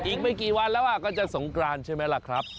อีกไม่กี่วันแล้วก็จะสงกรานใช่ไหมล่ะครับ